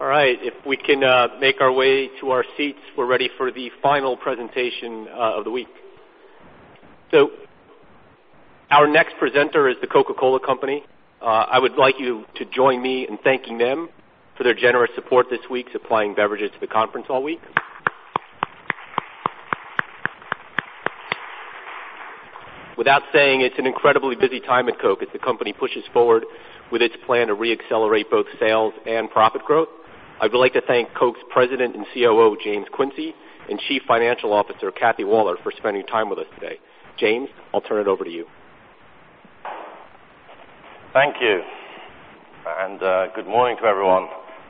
All right. If we can make our way to our seats, we're ready for the final presentation of the week. Our next presenter is The Coca-Cola Company. I would like you to join me in thanking them for their generous support this week, supplying beverages to the conference all week. Without saying, it's an incredibly busy time at Coke as the company pushes forward with its plan to re-accelerate both sales and profit growth. I would like to thank Coke's President and COO, James Quincey, and Chief Financial Officer, Kathy Waller, for spending time with us today. James, I'll turn it over to you. Thank you. Good morning to everyone.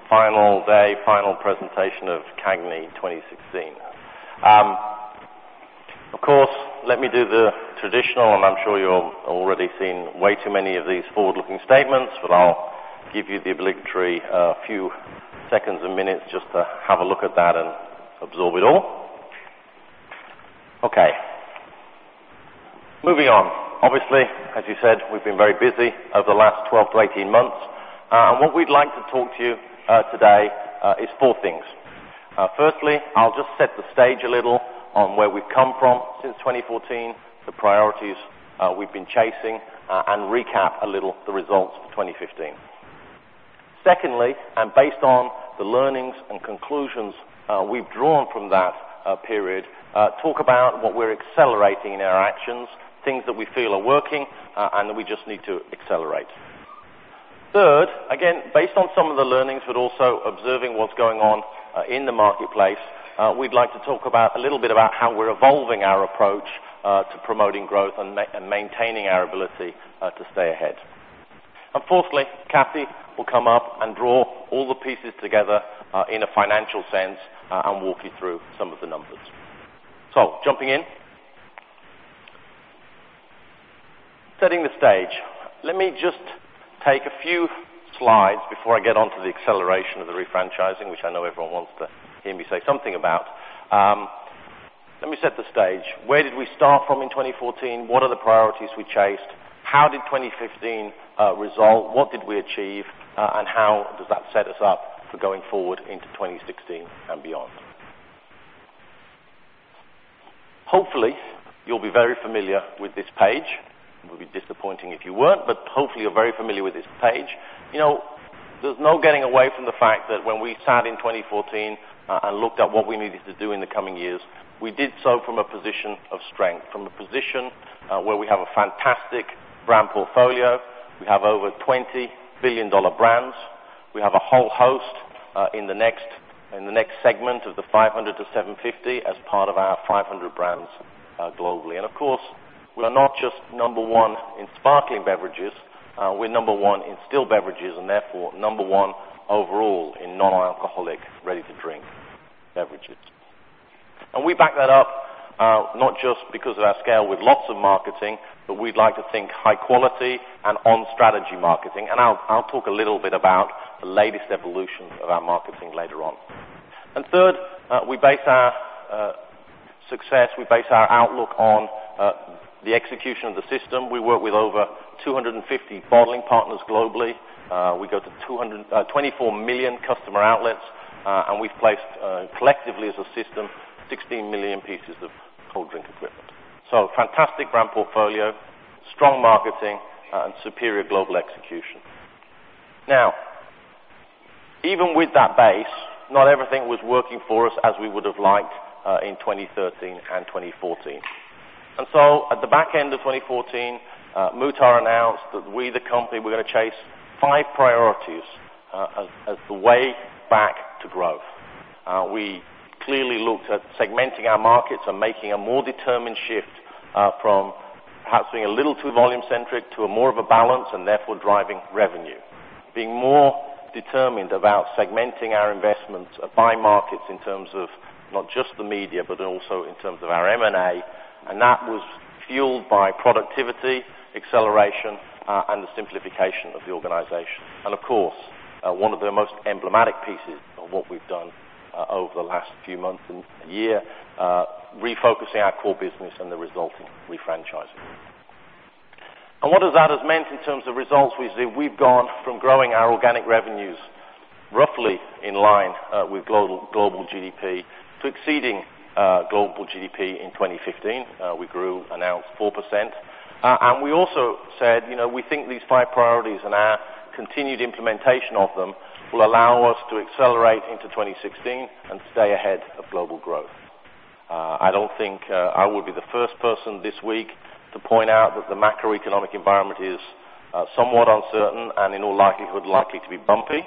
Final day, final presentation of CAGNY 2016. Of course, let me do the traditional, and I'm sure you've already seen way too many of these forward-looking statements, but I'll give you the obligatory few seconds and minutes just to have a look at that and absorb it all. Okay. Moving on. Obviously, as you said, we've been very busy over the last 12 to 18 months. What we'd like to talk to you today is four things. Firstly, I'll just set the stage a little on where we've come from since 2014, the priorities we've been chasing, and recap a little the results for 2015. Secondly, based on the learnings and conclusions we've drawn from that period, talk about what we're accelerating in our actions, things that we feel are working and that we just need to accelerate. Third, again, based on some of the learnings, but also observing what's going on in the marketplace, we'd like to talk a little bit about how we're evolving our approach to promoting growth and maintaining our ability to stay ahead. Fourthly, Kathy will come up and draw all the pieces together, in a financial sense, and walk you through some of the numbers. Jumping in. Setting the stage. Let me just take a few slides before I get onto the acceleration of the refranchising, which I know everyone wants to hear me say something about. Let me set the stage. Where did we start from in 2014? What are the priorities we chased? How did 2015 resolve? What did we achieve? How does that set us up for going forward into 2016 and beyond? Hopefully, you'll be very familiar with this page. It would be disappointing if you weren't, but hopefully you're very familiar with this page. There's no getting away from the fact that when we sat in 2014, and looked at what we needed to do in the coming years, we did so from a position of strength, from a position where we have a fantastic brand portfolio. We have over 20 billion dollar brands. We have a whole host in the next segment of the 500 to 750 as part of our 500 brands globally. Of course, we are not just number one in sparkling beverages, we're number one in still beverages, and therefore number one overall in non-alcoholic ready-to-drink beverages. We back that up, not just because of our scale with lots of marketing, but we'd like to think high quality and on-strategy marketing. I'll talk a little bit about the latest evolution of our marketing later on. Third, we base our success, we base our outlook on the execution of the system. We work with over 250 bottling partners globally. We go to 24 million customer outlets. We've placed, collectively as a system, 16 million pieces of cold drink equipment. Fantastic brand portfolio, strong marketing, and superior global execution. Even with that base, not everything was working for us as we would've liked in 2013 and 2014. At the back end of 2014, Muhtar announced that we, the company, we're going to chase five priorities as the way back to growth. We clearly looked at segmenting our markets and making a more determined shift from perhaps being a little too volume-centric to a more of a balance, and therefore driving revenue. Being more determined about segmenting our investments by markets in terms of not just the media, but also in terms of our M&A, and that was fueled by productivity, acceleration, and the simplification of the organization. Of course, one of the most emblematic pieces of what we've done over the last few months and year, refocusing our core business and the resulting refranchising. What has that meant in terms of results? We've gone from growing our organic revenues roughly in line with global GDP to exceeding global GDP in 2015. We grew, announced 4%. We also said, we think these five priorities and our continued implementation of them will allow us to accelerate into 2016 and stay ahead of global growth. I don't think I will be the first person this week to point out that the macroeconomic environment is somewhat uncertain and, in all likelihood, likely to be bumpy.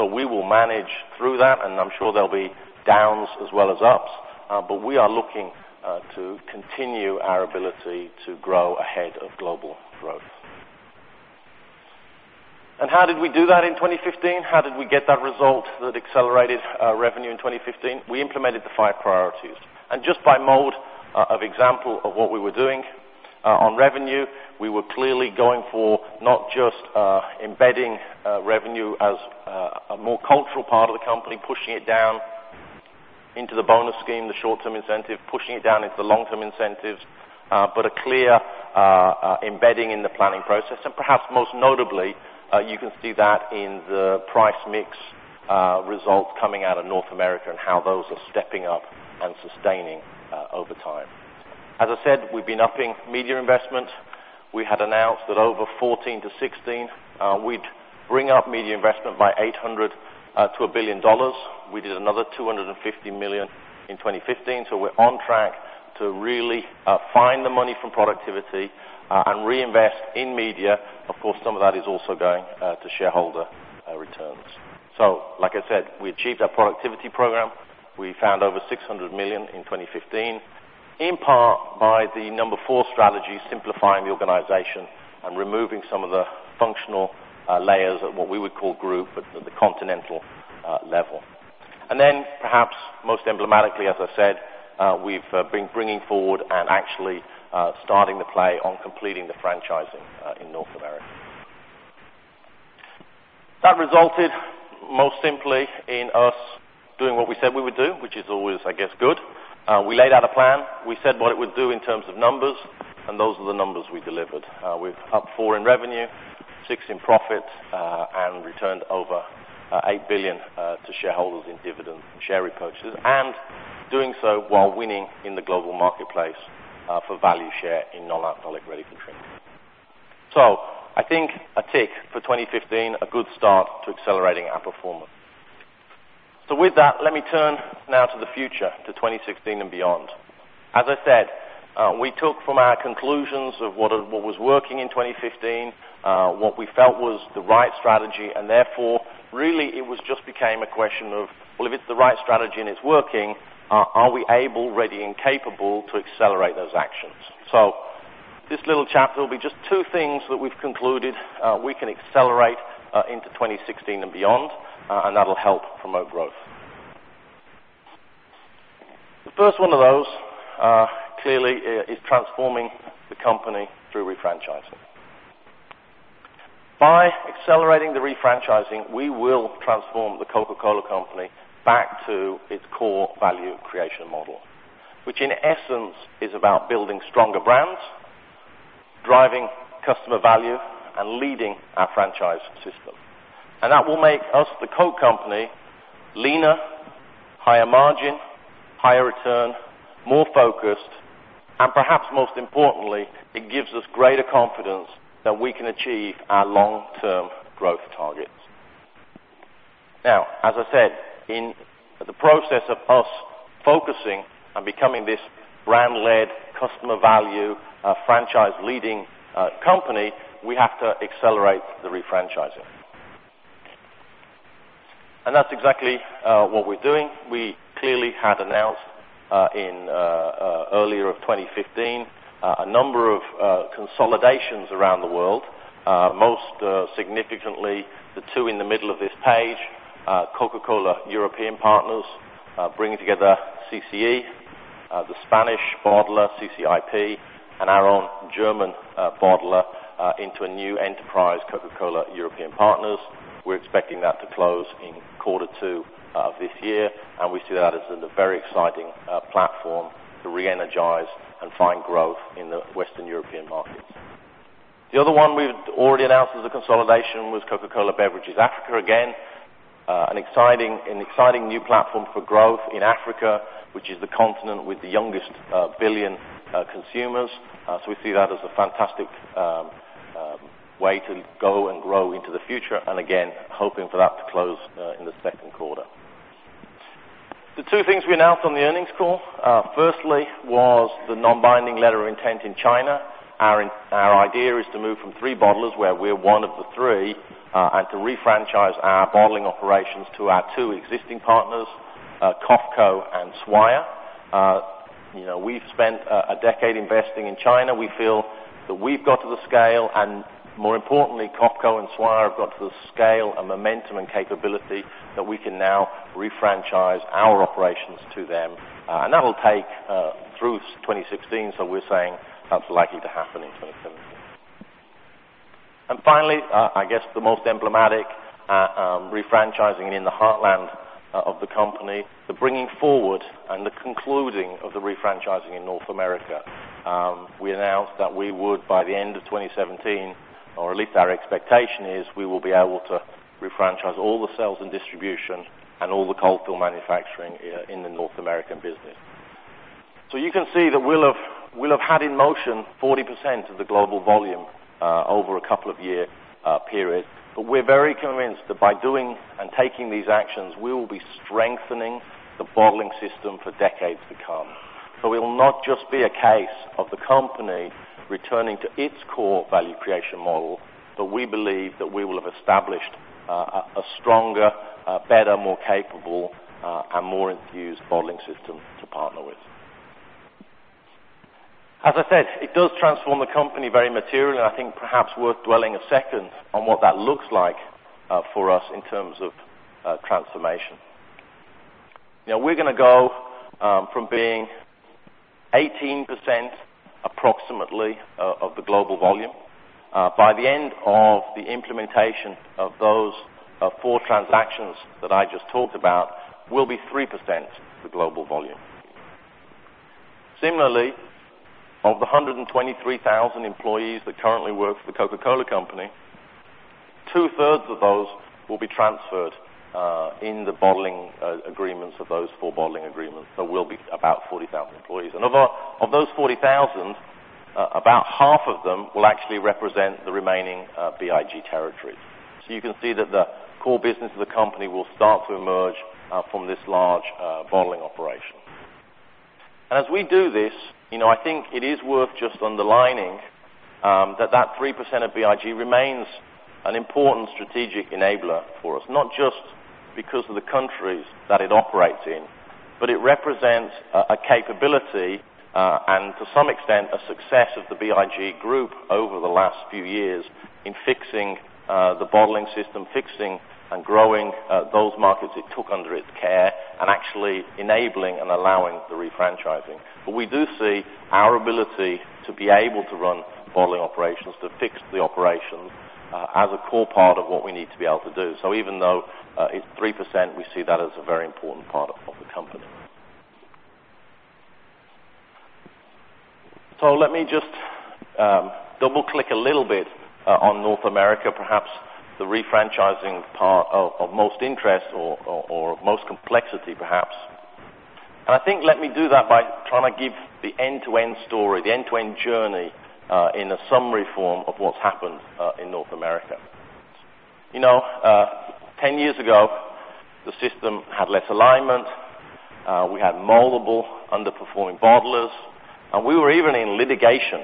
We will manage through that, and I'm sure there'll be downs as well as ups. We are looking to continue our ability to grow ahead of global growth. How did we do that in 2015? How did we get that result that accelerated revenue in 2015? We implemented the five priorities. Just by mode of example of what we were doing, on revenue, we were clearly going for not just embedding revenue as a more cultural part of the company, pushing it down into the bonus scheme, the short-term incentive, pushing it down into the long-term incentives, but a clear embedding in the planning process. Perhaps most notably, you can see that in the price mix results coming out of North America and how those are stepping up and sustaining over time. As I said, we've been upping media investment. We had announced that over 2014 to 2016, we'd bring up media investment by $800 million-$1 billion. We did another $250 million in 2015. We're on track to really find the money from productivity and reinvest in media. Of course, some of that is also going to shareholder returns. Like I said, we achieved our productivity program. We found over $600 million in 2015, in part by the number four strategy, simplifying the organization and removing some of the functional layers at what we would call group, at the continental level. Perhaps most emblematically, as I said, we've been bringing forward and actually starting to play on completing the refranchising in North America. That resulted most simply in us doing what we said we would do, which is always, I guess, good. We laid out a plan. We said what it would do in terms of numbers, and those are the numbers we delivered. We're up 4% in revenue, 6% in profits, and returned over $8 billion to shareholders in dividend share repurchases, and doing so while winning in the global marketplace for value share in non-alcoholic ready-to-drink. I think a tick for 2015, a good start to accelerating our performance. With that, let me turn now to the future, to 2016 and beyond. As I said, we took from our conclusions of what was working in 2015, what we felt was the right strategy, therefore, really, it just became a question of, well, if it's the right strategy and it's working, are we able, ready, and capable to accelerate those actions? This little chapter will be just two things that we've concluded we can accelerate into 2016 and beyond, and that'll help promote growth. The first one of those, clearly, is transforming the company through refranchising. By accelerating the refranchising, we will transform The Coca-Cola Company back to its core value creation model, which in essence is about building stronger brands, driving customer value, and leading our franchise system. That will make us, the Coke company, leaner, higher margin, higher return, more focused, and perhaps most importantly, it gives us greater confidence that we can achieve our long-term growth targets. As I said, in the process of us focusing on becoming this brand-led, customer value, franchise-leading company, we have to accelerate the refranchising. That's exactly what we're doing. We clearly had announced in earlier of 2015, a number of consolidations around the world, most significantly, the two in the middle of this page, Coca-Cola European Partners, bringing together CCE, the Spanish bottler, CCIP, and our own German bottler into a new enterprise, Coca-Cola European Partners. We're expecting that to close in quarter two of this year, and we see that as a very exciting platform to reenergize and find growth in the Western European markets. The other one we've already announced as a consolidation was Coca-Cola Beverages Africa. Again, an exciting new platform for growth in Africa, which is the continent with the youngest billion consumers. We see that as a fantastic way to go and grow into the future, again, hoping for that to close in the second quarter. The two things we announced on the earnings call, firstly, was the non-binding letter of intent in China. Our idea is to move from three bottlers, where we're one of the three, to refranchise our bottling operations to our two existing partners, COFCO and Swire. We've spent a decade investing in China. We feel that we've got to the scale, and more importantly, COFCO and Swire have got to the scale and momentum and capability that we can now refranchise our operations to them. That'll take through 2016, so we're saying that's likely to happen in 2017. Finally, I guess the most emblematic refranchising in the heartland of The Coca-Cola Company, the bringing forward and the concluding of the refranchising in North America. We announced that we would, by the end of 2017, or at least our expectation is we will be able to refranchise all the sales and distribution and all the cold-fill manufacturing in the North American business. You can see that we'll have had in motion 40% of the global volume over a couple of year periods. We're very convinced that by doing and taking these actions, we will be strengthening the bottling system for decades to come. It will not just be a case of The Coca-Cola Company returning to its core value creation model, but we believe that we will have established a stronger, better, more capable, and more infused bottling system to partner with. As I said, it does transform The Coca-Cola Company very materially, and I think perhaps worth dwelling a second on what that looks like for us in terms of transformation. We're going to go from being 18% approximately of the global volume. By the end of the implementation of those four transactions that I just talked about, will be 3% of the global volume. Similarly, of the 123,000 employees that currently work for The Coca-Cola Company, two-thirds of those will be transferred in the bottling agreements of those four bottling agreements. Will be about 40,000 employees. Of those 40,000, about half of them will actually represent the remaining BIG territories. You can see that the core business of The Coca-Cola Company will start to emerge from this large bottling operation. As we do this, I think it is worth just underlining that 3% of BIG remains an important strategic enabler for us, not just because of the countries that it operates in, but it represents a capability, and to some extent, a success of the BIG group over the last few years in fixing the bottling system, fixing and growing those markets it took under its care, and actually enabling and allowing the refranchising. We do see our ability to be able to run bottling operations, to fix the operations, as a core part of what we need to be able to do. Even though it's 3%, we see that as a very important part of The Coca-Cola Company. Let me just double-click a little bit on North America, perhaps the refranchising part of most interest or most complexity, perhaps. I think let me do that by trying to give the end-to-end story, the end-to-end journey, in a summary form of what's happened in North America. 10 years ago, the system had less alignment. We had multiple underperforming bottlers, and we were even in litigation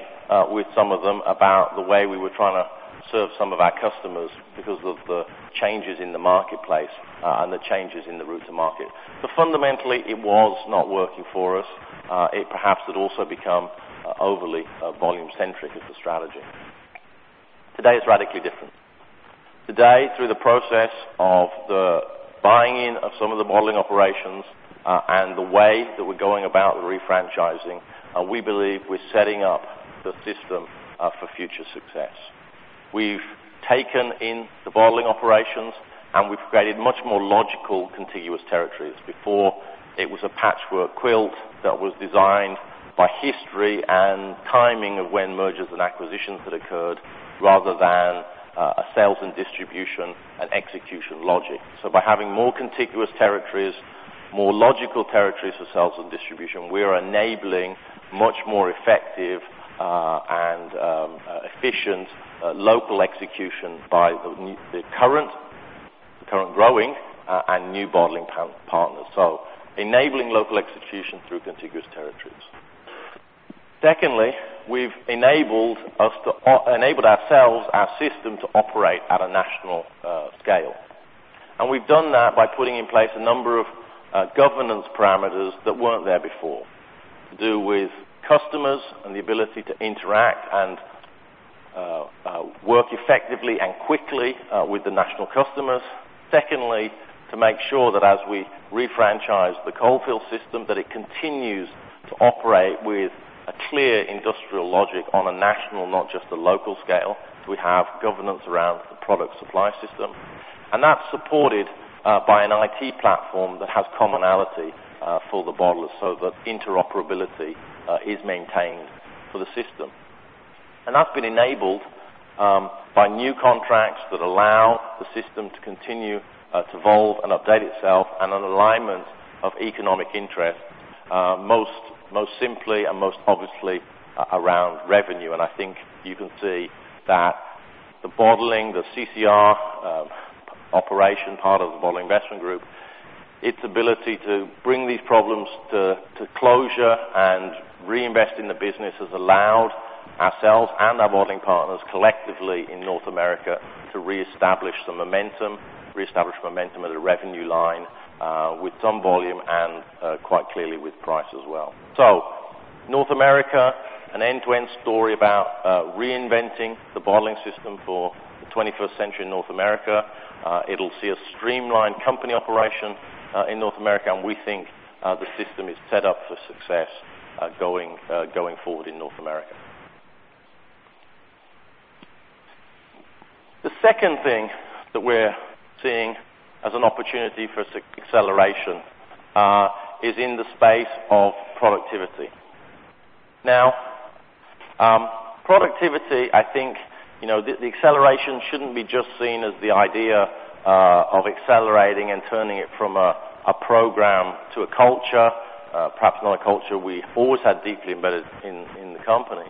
with some of them about the way we were trying to serve some of our customers because of the changes in the marketplace and the changes in the route to market. Fundamentally, it was not working for us. It perhaps had also become overly volume-centric as a strategy. Today is radically different. Today, through the process of the buying in of some of the bottling operations and the way that we're going about refranchising, we believe we're setting up the system for future success. We've taken in the bottling operations, and we've created much more logical contiguous territories. Before, it was a patchwork quilt that was designed by history and timing of when mergers and acquisitions had occurred rather than a sales and distribution and execution logic. By having more contiguous territories, more logical territories for sales and distribution, we are enabling much more effective and efficient local execution by the current growing and new bottling partners. Enabling local execution through contiguous territories. Secondly, we've enabled ourselves, our system, to operate at a national scale. We've done that by putting in place a number of governance parameters that weren't there before to do with customers and the ability to interact and work effectively and quickly with the national customers. Secondly, to make sure that as we refranchise the Coca-Cola system, that it continues to operate with a clear industrial logic on a national, not just a local scale. We have governance around the product supply system, and that's supported by an IT platform that has commonality for the bottlers so that interoperability is maintained for the system. That's been enabled by new contracts that allow the system to continue to evolve and update itself and an alignment of economic interest, most simply and most obviously around revenue. I think you can see that the bottling, the CCR operation part of the Bottling Investment Group, its ability to bring these problems to closure and reinvest in the business has allowed ourselves and our bottling partners collectively in North America to reestablish some momentum, reestablish momentum at a revenue line with some volume and quite clearly with price as well. North America, an end-to-end story about reinventing the bottling system for the 21st century in North America. It'll see a streamlined company operation in North America, we think the system is set up for success going forward in North America. The second thing that we're seeing as an opportunity for acceleration is in the space of productivity. Productivity, I think, the acceleration shouldn't be just seen as the idea of accelerating and turning it from a program to a culture, perhaps not a culture we always had deeply embedded in the company.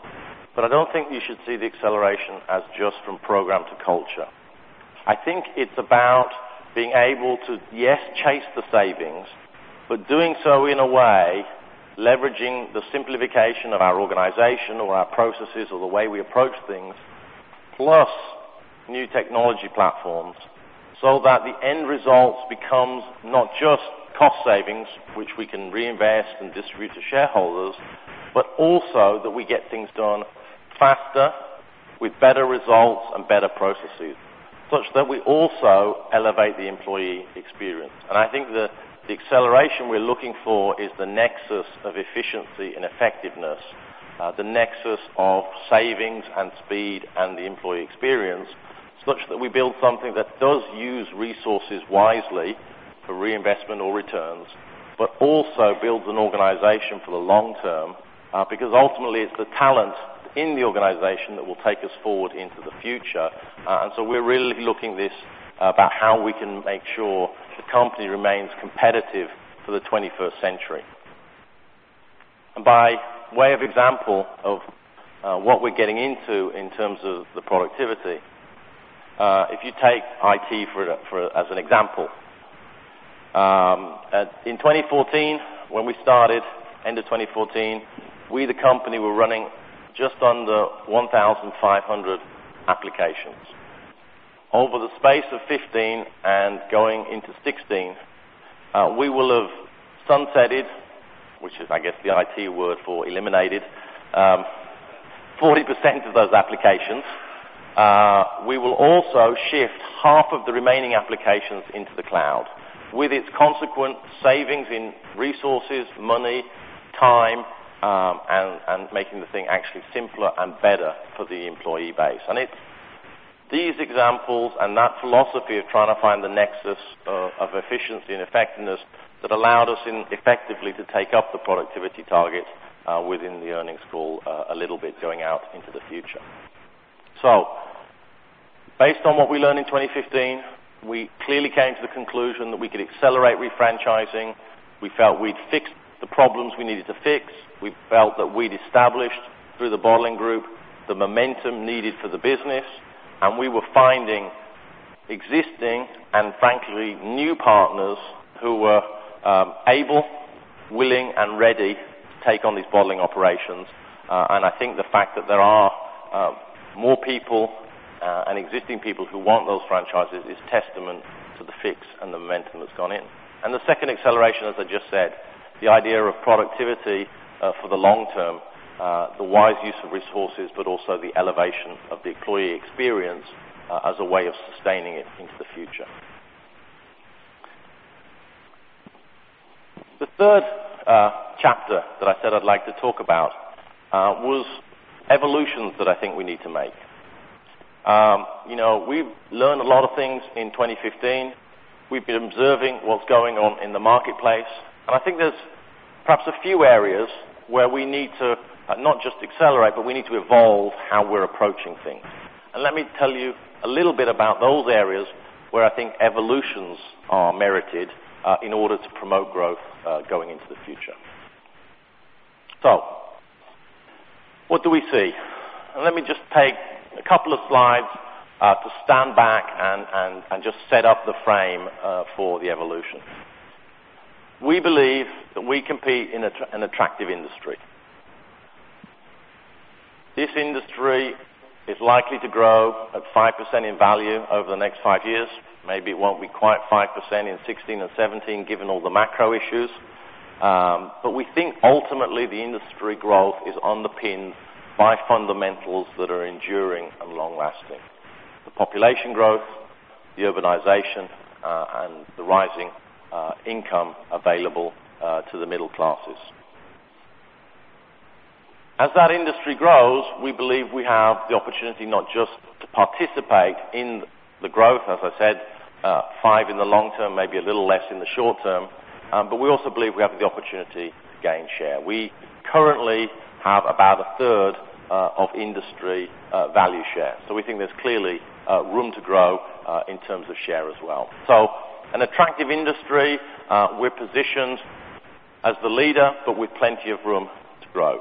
I don't think you should see the acceleration as just from program to culture. I think it's about being able to, yes, chase the savings, but doing so in a way, leveraging the simplification of our organization or our processes or the way we approach things, plus new technology platforms, so that the end results becomes not just cost savings, which we can reinvest and distribute to shareholders, but also that we get things done faster with better results and better processes, such that we also elevate the employee experience. I think that the acceleration we're looking for is the nexus of efficiency and effectiveness, the nexus of savings and speed, and the employee experience, such that we build something that does use resources wisely for reinvestment or returns, but also builds an organization for the long term, because ultimately it's the talent in the organization that will take us forward into the future. We're really looking this about how we can make sure the company remains competitive for the 21st century. By way of example of what we're getting into in terms of the productivity, if you take IT as an example. In 2014, when we started, end of 2014, we, the company, were running just under 1,500 applications. Over the space of 2015 and going into 2016, we will have sunsetted, which is, I guess, the IT word for eliminated, 40% of those applications. We will also shift half of the remaining applications into the cloud, with its consequent savings in resources, money, time, and making the thing actually simpler and better for the employee base. It's these examples and that philosophy of trying to find the nexus of efficiency and effectiveness that allowed us effectively to take up the productivity targets within the earnings call a little bit going out into the future. Based on what we learned in 2015, we clearly came to the conclusion that we could accelerate refranchising. We felt we'd fixed the problems we needed to fix. We felt that we'd established through the bottling group the momentum needed for the business, and we were finding existing and frankly, new partners who were able, willing, and ready to take on these bottling operations. I think the fact that there are more people and existing people who want those franchises is testament to the fix and the momentum that's gone in. The second acceleration, as I just said, the idea of productivity for the long term, the wise use of resources, but also the elevation of the employee experience as a way of sustaining it into the future. The third chapter that I said I'd like to talk about was evolutions that I think we need to make. We've learned a lot of things in 2015. We've been observing what's going on in the marketplace, and I think there's perhaps a few areas where we need to not just accelerate, but we need to evolve how we're approaching things. Let me tell you a little bit about those areas where I think evolutions are merited in order to promote growth going into the future. What do we see? Let me just take a couple of slides to stand back and just set up the frame for the evolution. We believe that we compete in an attractive industry. This industry is likely to grow at 5% in value over the next five years. Maybe it won't be quite 5% in 2016 and 2017, given all the macro issues. We think ultimately the industry growth is underpinned by fundamentals that are enduring and long-lasting. The population growth, the urbanization, and the rising income available to the middle classes. As that industry grows, we believe we have the opportunity not just to participate in the growth, as I said, five in the long term, maybe a little less in the short term, but we also believe we have the opportunity to gain share. We currently have about a third of industry value share. We think there's clearly room to grow in terms of share as well. An attractive industry. We're positioned as the leader, but with plenty of room to grow.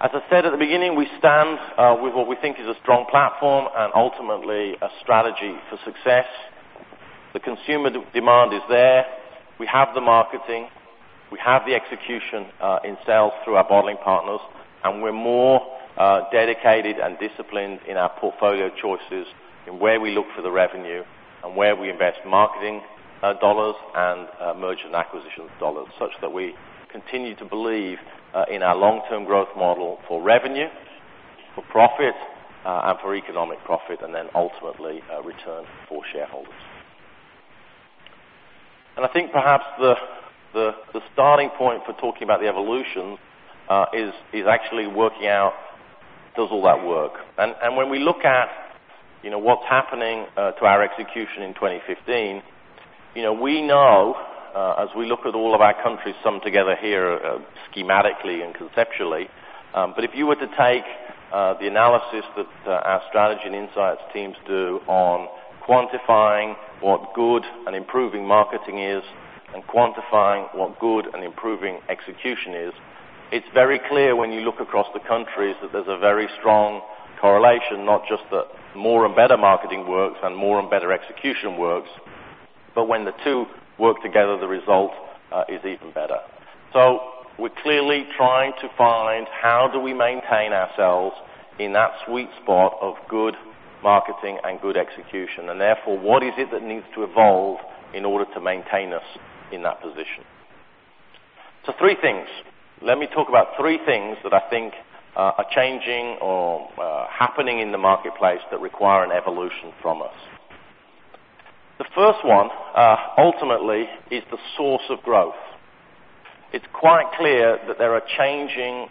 As I said at the beginning, we stand with what we think is a strong platform and ultimately a strategy for success. The consumer demand is there. We have the marketing, we have the execution in sales through our bottling partners. We're more dedicated and disciplined in our portfolio choices in where we look for the revenue and where we invest marketing dollars and merger and acquisition dollars, such that we continue to believe in our long-term growth model for revenue, for profit, and for economic profit. Ultimately return for shareholders. I think perhaps the starting point for talking about the evolution is actually working out, does all that work? When we look at what's happening to our execution in 2015, we know as we look at all of our countries, some together here schematically and conceptually, but if you were to take the analysis that our strategy and insights teams do on quantifying what good and improving marketing is and quantifying what good and improving execution is, it's very clear when you look across the countries that there's a very strong correlation. Not just that more and better marketing works and more and better execution works. When the two work together, the result is even better. We're clearly trying to find how do we maintain ourselves in that sweet spot of good marketing and good execution, and therefore, what is it that needs to evolve in order to maintain us in that position? Three things. Let me talk about three things that I think are changing or happening in the marketplace that require an evolution from us. The first one, ultimately, is the source of growth. It's quite clear that there are changing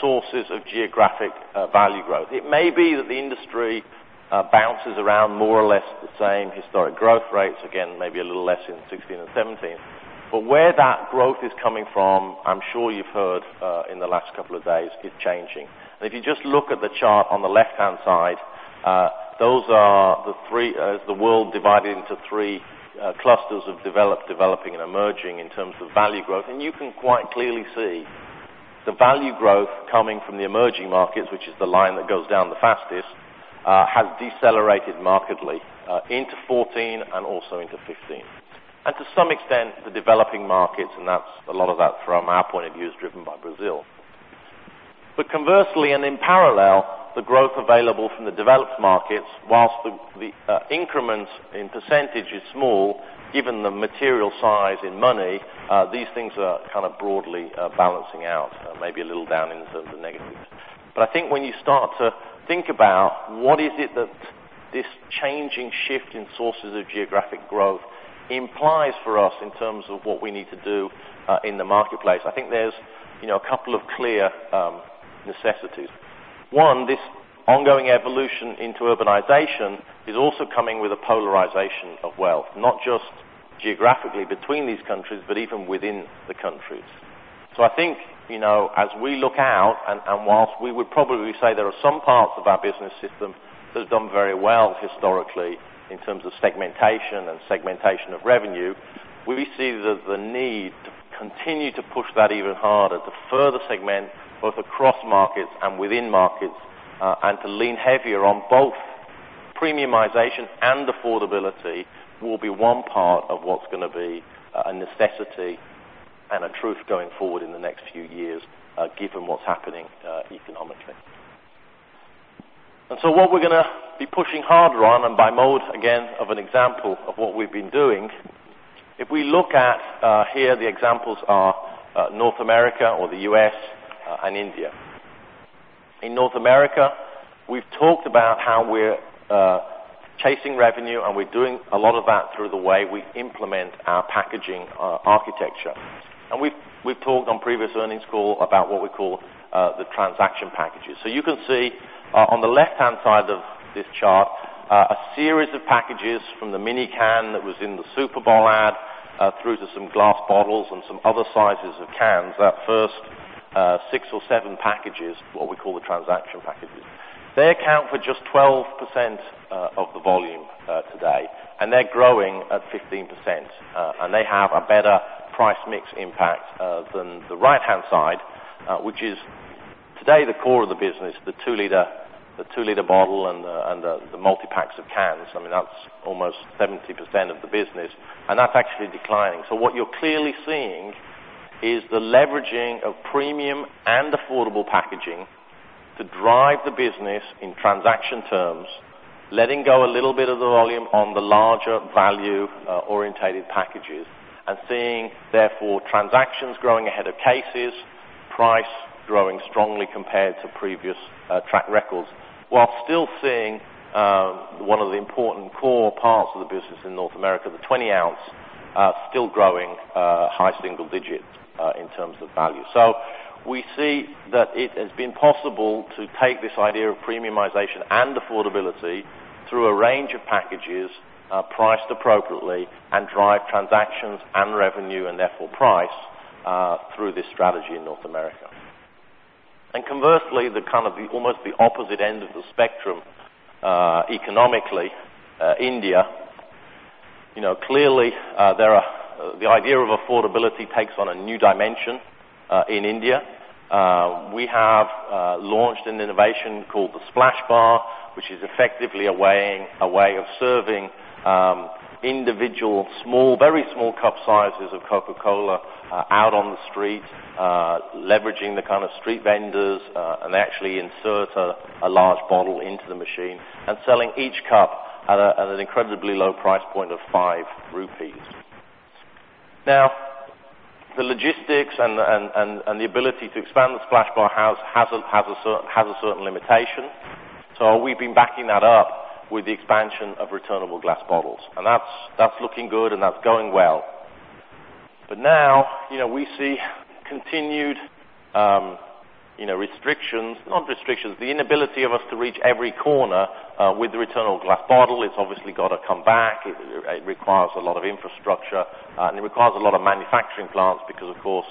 sources of geographic value growth. It may be that the industry bounces around more or less the same historic growth rates, again, maybe a little less in 2016 and 2017. Where that growth is coming from, I'm sure you've heard in the last couple of days, is changing. If you just look at the chart on the left-hand side, those are the world divided into three clusters of developed, developing, and emerging in terms of value growth. You can quite clearly see the value growth coming from the emerging markets, which is the line that goes down the fastest, has decelerated markedly into 2014 and also into 2015. To some extent, the developing markets, and a lot of that from our point of view is driven by Brazil. Conversely and in parallel, the growth available from the developed markets, whilst the increments in % is small, given the material size in money, these things are broadly balancing out, maybe a little down in terms of negatives. I think when you start to think about what is it that this changing shift in sources of geographic growth implies for us in terms of what we need to do in the marketplace, I think there's a couple of clear necessities. One, this ongoing evolution into urbanization is also coming with a polarization of wealth, not just geographically between these countries, but even within the countries. I think, as we look out, and whilst we would probably say there are some parts of our business system that have done very well historically in terms of segmentation and segmentation of revenue, we see the need to continue to push that even harder to further segment both across markets and within markets, and to lean heavier on both premiumization and affordability will be one part of what's going to be a necessity and a truth going forward in the next few years, given what's happening economically. What we're going to be pushing harder on, and by mode, again, of an example of what we've been doing, if we look at here, the examples are North America or the U.S. and India. In North America, we've talked about how we're chasing revenue, and we're doing a lot of that through the way we implement our packaging architecture. We've talked on previous earnings call about what we call the transaction packages. You can see on the left-hand side of this chart, a series of packages from the mini can that was in the Super Bowl ad through to some glass bottles and some other sizes of cans. That first six or seven packages, what we call the transaction packages. They account for just 12% of the volume today, and they're growing at 15%, and they have a better price mix impact than the right-hand side, which is today the core of the business, the 2-liter bottle and the multi-packs of cans. I mean, that's almost 70% of the business, and that's actually declining. What you're clearly seeing is the leveraging of premium and affordable packaging to drive the business in transaction terms, letting go a little bit of the volume on the larger value-orientated packages and seeing, therefore, transactions growing ahead of cases, price growing strongly compared to previous track records, while still seeing one of the important core parts of the business in North America, the 20-ounce, still growing high single digits in terms of value. We see that it has been possible to take this idea of premiumization and affordability through a range of packages priced appropriately and drive transactions and revenue and therefore price through this strategy in North America. Conversely, almost the opposite end of the spectrum economically, India. Clearly, the idea of affordability takes on a new dimension in India. We have launched an innovation called the Splash Bar, which is effectively a way of serving individual, very small cup sizes of Coca-Cola out on the street, leveraging the street vendors, and they actually insert a large bottle into the machine and selling each cup at an incredibly low price point of 5 rupees. The logistics and the ability to expand the Splash Bar has a certain limitation. We've been backing that up with the expansion of returnable glass bottles, and that's looking good, and that's going well. Now, we see continued restrictions, not restrictions, the inability of us to reach every corner with the returnable glass bottle. It's obviously got to come back. It requires a lot of infrastructure, and it requires a lot of manufacturing plants because, of course,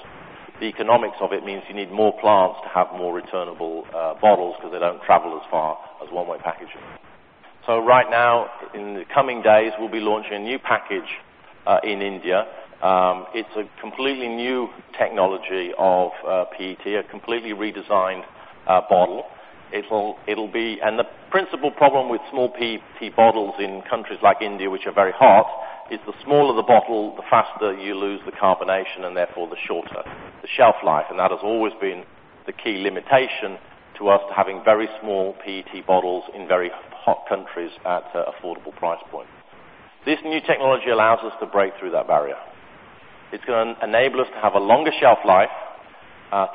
the economics of it means you need more plants to have more returnable bottles because they don't travel as far as one-way packaging. Right now, in the coming days, we'll be launching a new package in India. It's a completely new technology of PET, a completely redesigned bottle. The principal problem with small PET bottles in countries like India, which are very hot, is the smaller the bottle, the faster you lose the carbonation and therefore the shorter the shelf life, and that has always been the key limitation to us to having very small PET bottles in very hot countries at affordable price points. This new technology allows us to break through that barrier. It's going to enable us to have a longer shelf life.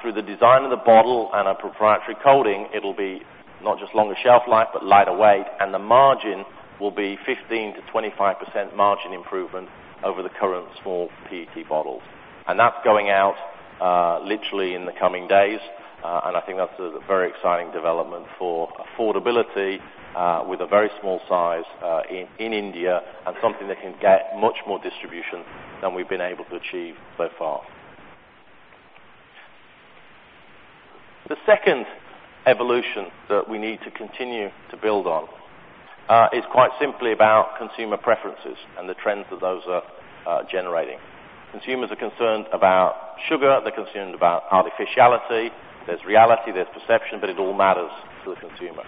Through the design of the bottle and a proprietary coating, it'll be not just longer shelf life, but lighter weight, and the margin will be 15%-25% margin improvement over the current small PET bottles. That's going out literally in the coming days, and I think that's a very exciting development for affordability with a very small size in India, something that can get much more distribution than we've been able to achieve so far. The second evolution that we need to continue to build on is quite simply about consumer preferences and the trends that those are generating. Consumers are concerned about sugar. They're concerned about artificiality. There's reality, there's perception, but it all matters to the consumer.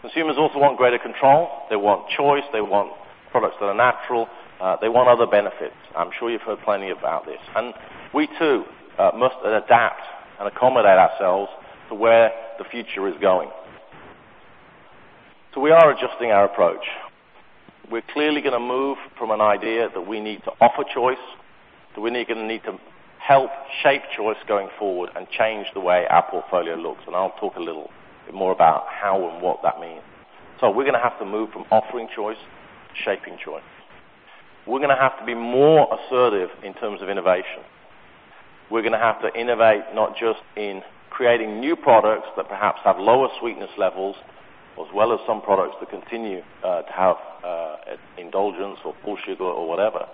Consumers also want greater control. They want choice. They want products that are natural. They want other benefits. I'm sure you've heard plenty about this. We too must adapt and accommodate ourselves to where the future is going. We are adjusting our approach. We're clearly going to move from an idea that we need to offer choice, that we're going to need to help shape choice going forward and change the way our portfolio looks. I'll talk a little bit more about how and what that means. We're going to have to move from offering choice to shaping choice. We're going to have to be more assertive in terms of innovation. We're going to have to innovate, not just in creating new products that perhaps have lower sweetness levels, as well as some products that continue to have indulgence or full sugar or whatever.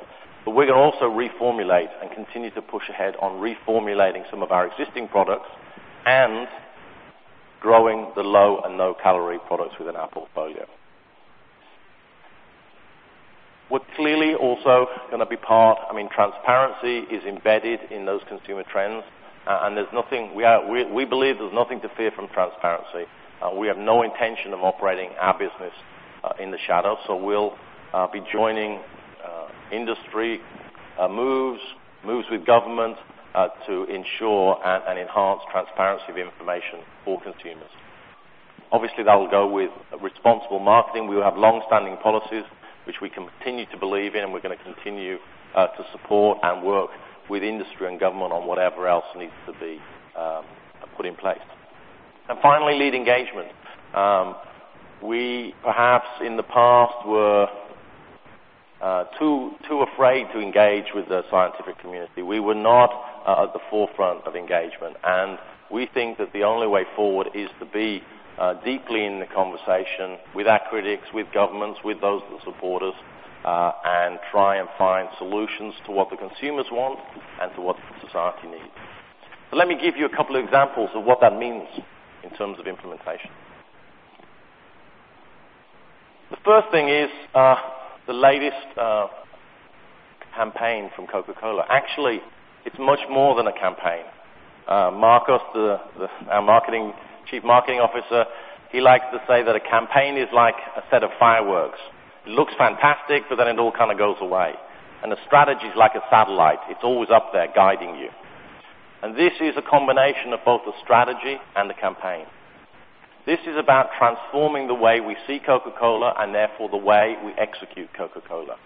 We're going to also reformulate and continue to push ahead on reformulating some of our existing products and growing the low and no-calorie products within our portfolio. Transparency is embedded in those consumer trends. We believe there's nothing to fear from transparency. We have no intention of operating our business in the shadows. We'll be joining industry moves with government to ensure and enhance transparency of information for consumers. Obviously, that will go with responsible marketing. We have long-standing policies which we continue to believe in, and we're going to continue to support and work with industry and government on whatever else needs to be put in place. Finally, lead engagement. We, perhaps in the past, were too afraid to engage with the scientific community. We were not at the forefront of engagement, we think that the only way forward is to be deeply in the conversation with our critics, with governments, with those that support us, and try and find solutions to what the consumers want and to what society needs. Let me give you a couple of examples of what that means in terms of implementation. The first thing is the latest campaign from Coca-Cola. Actually, it's much more than a campaign. Marcos, our Chief Marketing Officer, he likes to say that a campaign is like a set of fireworks. It looks fantastic, then it all kind of goes away. A strategy is like a satellite. It's always up there guiding you. This is a combination of both the strategy and the campaign. This is about transforming the way we see Coca-Cola and therefore the way we execute Coca-Cola.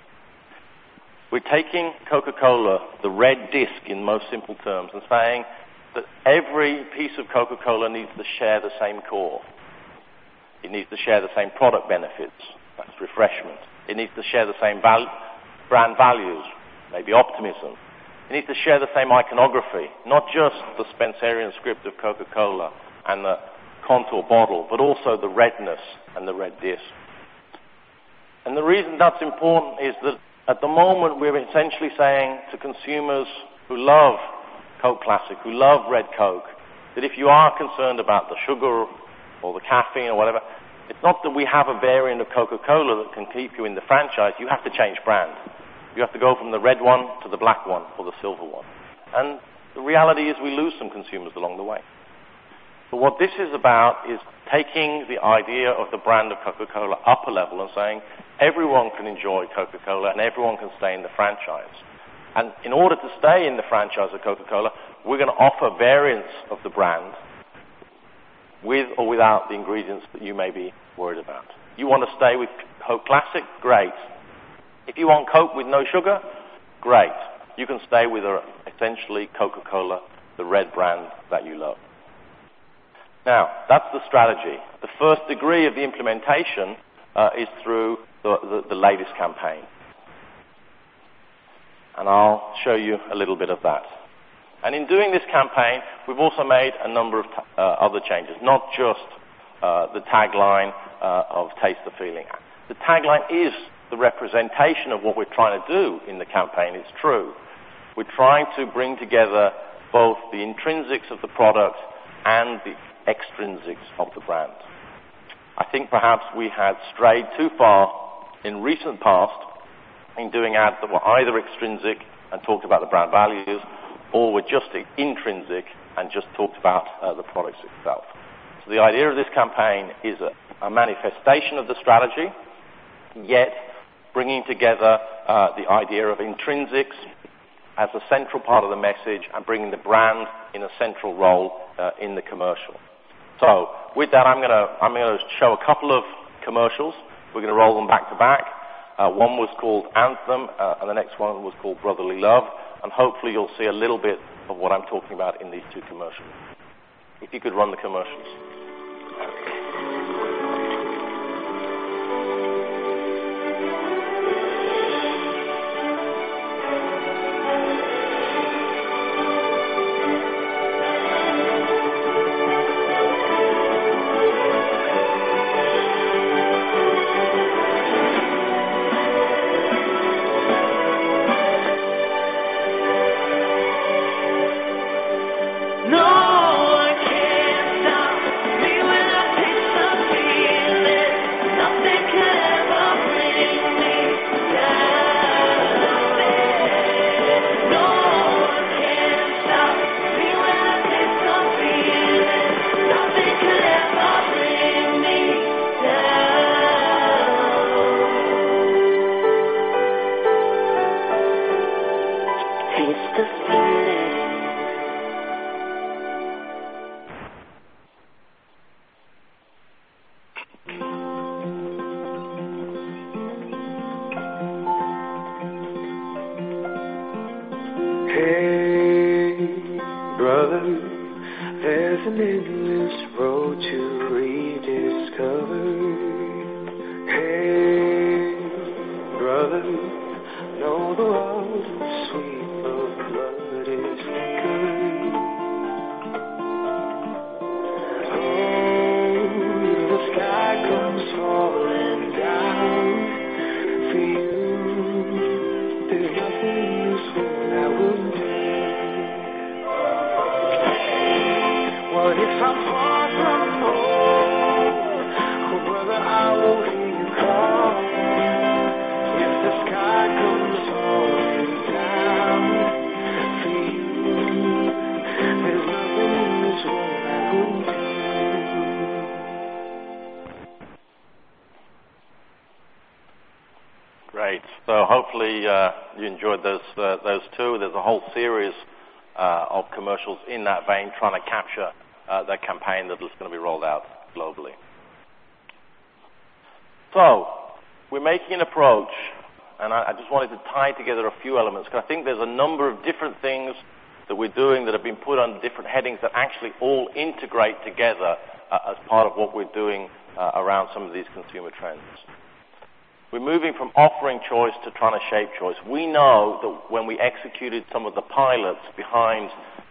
We're taking Coca-Cola, the red disc in most simple terms, and saying that every piece of Coca-Cola needs to share the same core. It needs to share the same product benefits. That's refreshment. It needs to share the same brand values, maybe optimism. It needs to share the same iconography, not just the Spencerian script of Coca-Cola and the contour bottle, but also the redness and the red disc. The reason that's important is that at the moment, we're essentially saying to consumers who love Coke Classic, who love red Coke, that if you are concerned about the sugar or the caffeine or whatever, it's not that we have a variant of Coca-Cola that can keep you in the franchise. You have to change brands. You have to go from the red one to the black one or the silver one. The reality is we lose some consumers along the way. What this is about is taking the idea of the brand of Coca-Cola up a level and saying, "Everyone can enjoy Coca-Cola, and everyone can stay in the franchise." In order to stay in the franchise of Coca-Cola, we're going to offer variants of the brand with or without the ingredients that you may be worried about. You want to stay with Coke Classic? Great. If you want Coke with no sugar? Great. You can stay with essentially Coca-Cola, the red brand that you love. Now, that's the strategy. The first degree of the implementation is through the latest campaign. I'll show you a little bit of that. In doing this campaign, we've also made a number of other changes, not just the tagline of "Taste the Feeling." The tagline is the representation of what we're trying to do in the campaign. It's true. We're trying to bring together both the intrinsics of the product and the extrinsics of the brand. I think perhaps we had strayed too far in recent past in doing ads that were either extrinsic and talked about the brand values or were just intrinsic and just talked about the product itself. The idea of this campaign is a manifestation of the strategy, yet bringing together the idea of intrinsics as a central part of the message and bringing the brand in a central role in the commercial. With that, I'm going to show a couple of commercials. We're going to roll them back-to-back. One was called "Anthem," the next one was called "Brotherly Love." Hopefully, you'll see a little bit of what I'm talking about in these two commercials. If you could run the commercials. We're moving from offering choice to trying to shape choice. We know that when we executed some of the pilots behind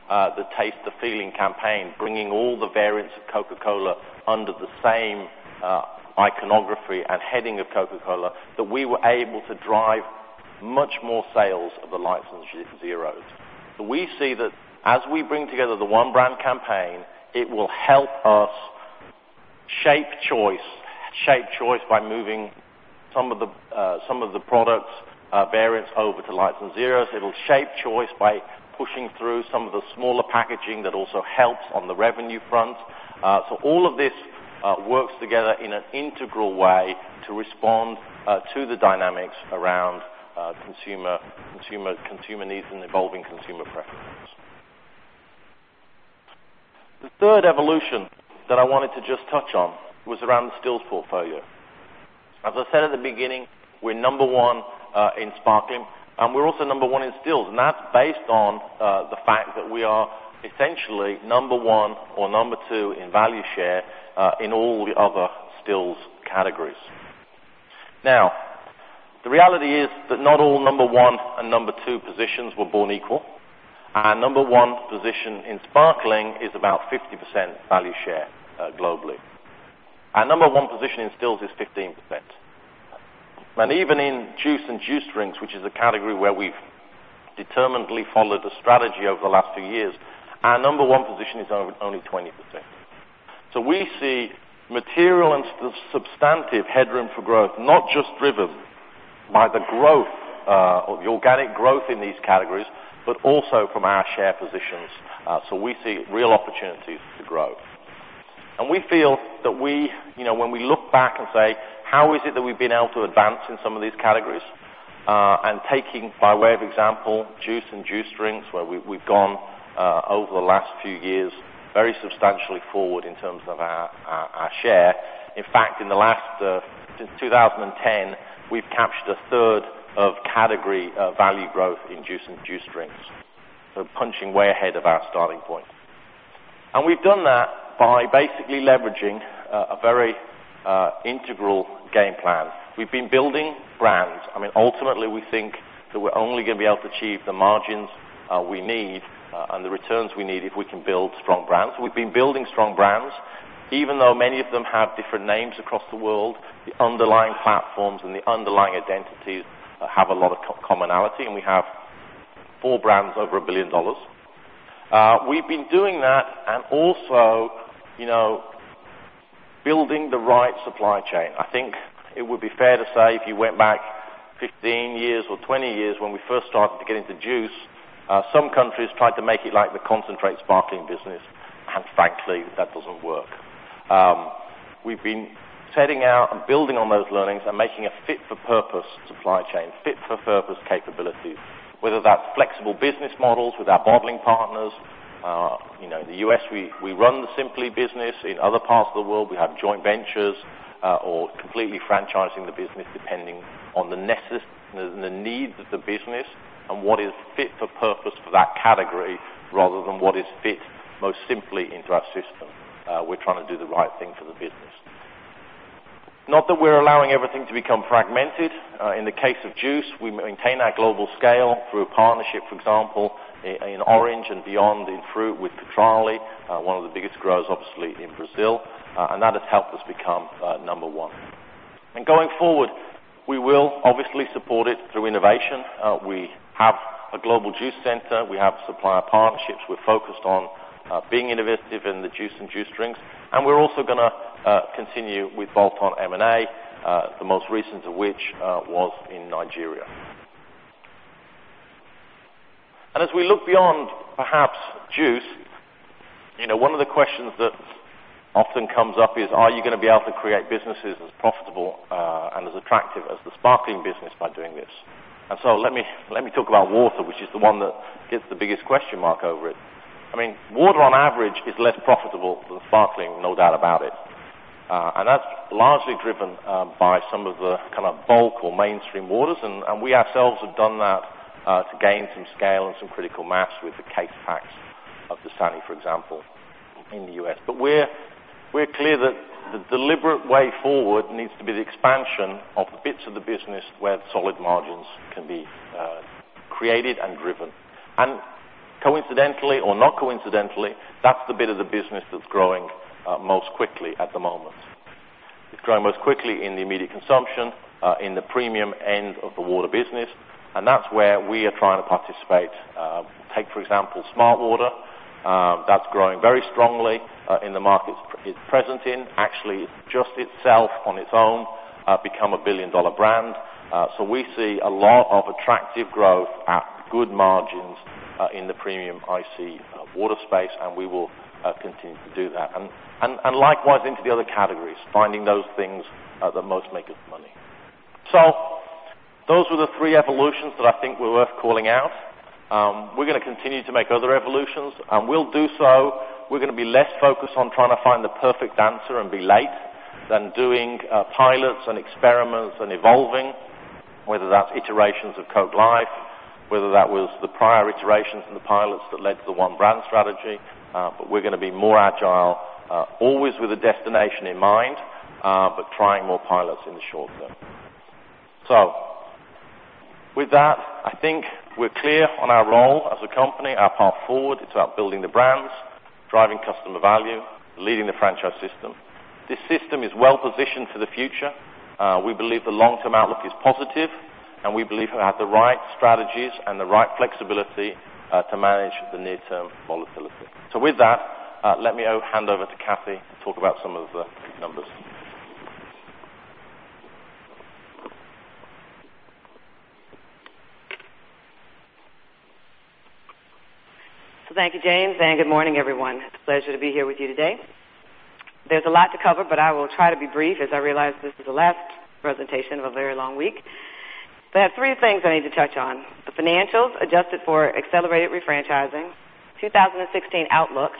the Taste the Feeling campaign, bringing all the variants of Coca-Cola under the same iconography and heading of Coca-Cola, that we were able to drive much more sales of the Lights and Zeroes. We see that as we bring together the One Brand campaign, it will help us shape choice by moving some of the product variants over to Lights and Zeroes. It'll shape choice by pushing through some of the smaller packaging that also helps on the revenue front. All of this works together in an integral way to respond to the dynamics around consumer needs and evolving consumer preferences. The third evolution that I wanted to just touch on was around the stills portfolio. As I said at the beginning, we're number one in sparkling, and we're also number one in stills, and that's based on the fact that we are essentially number one or number two in value share in all the other stills categories. The reality is that not all number one and number two positions were born equal. Our number one position in sparkling is about 50% value share globally. Our number one position in stills is 15%. Even in juice and juice drinks, which is a category where we've determinedly followed a strategy over the last few years, our number one position is only 20%. We see material and substantive headroom for growth, not just driven by the growth or the organic growth in these categories, but also from our share positions. We see real opportunities to grow. We feel that when we look back and say, "How is it that we've been able to advance in some of these categories?" Taking by way of example, juice and juice drinks, where we've gone over the last few years, very substantially forward in terms of our share. In fact, since 2010, we've captured 1/3 of category value growth in juice and juice drinks. Punching way ahead of our starting point. We've done that by basically leveraging a very integral game plan. We've been building brands. Ultimately, we think that we're only going to be able to achieve the margins we need and the returns we need if we can build strong brands. We've been building strong brands. Even though many of them have different names across the world, the underlying platforms and the underlying identities have a lot of commonality, and we have four brands over $1 billion. We've been doing that and also building the right supply chain. I think it would be fair to say if you went back 15 years or 20 years, when we first started to get into juice, some countries tried to make it like the concentrate sparkling business, and frankly, that doesn't work. We've been setting out and building on those learnings and making a fit-for-purpose supply chain, fit-for-purpose capability, whether that's flexible business models with our bottling partners. In the U.S., we run the Simply business. In other parts of the world, we have joint ventures or completely franchising the business depending on the needs of the business and what is fit for purpose for that category rather than what is fit most simply into our system. We're trying to do the right thing for the business. Not that we're allowing everything to become fragmented. In the case of juice, we maintain our global scale through a partnership, for example, in orange and beyond in fruit with Cutrale, one of the biggest growers, obviously, in Brazil, that has helped us become number one. Going forward, we will obviously support it through innovation. We have a global juice center. We have supplier partnerships. We're focused on being innovative in the juice and juice drinks. We're also going to continue with bolt-on M&A, the most recent of which was in Nigeria. As we look beyond perhaps juice, one of the questions that often comes up is, are you going to be able to create businesses as profitable and as attractive as the sparkling business by doing this? Let me talk about water, which is the one that gets the biggest question mark over it. Water on average is less profitable than sparkling, no doubt about it. That's largely driven by some of the kind of bulk or mainstream waters, and we ourselves have done that to gain some scale and some critical mass with the case packs of Dasani, for example, in the U.S. We're clear that the deliberate way forward needs to be the expansion of the bits of the business where solid margins can be created and driven. Coincidentally or not coincidentally, that's the bit of the business that's growing most quickly at the moment. It's growing most quickly in the immediate consumption, in the premium end of the water business, and that's where we are trying to participate. Take, for example, smartwater. That's growing very strongly in the markets it's present in. Actually, just itself, on its own, become a billion-dollar brand. We see a lot of attractive growth at good margins in the premium IC water space, and we will continue to do that. Likewise into the other categories, finding those things that most make us money. Those were the three evolutions that I think were worth calling out. We're going to continue to make other evolutions, and we'll do so. We're going to be less focused on trying to find the perfect answer and be late than doing pilots and experiments and evolving, whether that's iterations of Coca-Cola Life, whether that was the prior iterations and the pilots that led to the One Brand strategy. We're going to be more agile, always with a destination in mind, but trying more pilots in the short term. With that, I think we're clear on our role as a company, our path forward. It's about building the brands, driving customer value, leading the franchise system. This system is well-positioned for the future. We believe the long-term outlook is positive, we believe we have the right strategies and the right flexibility to manage the near-term volatility. With that, let me hand over to Kathy to talk about some of the numbers. Thank you, James, and good morning, everyone. It's a pleasure to be here with you today. There's a lot to cover. I will try to be brief as I realize this is the last presentation of a very long week. I have three things I need to touch on: the financials adjusted for accelerated refranchising, 2016 outlooks,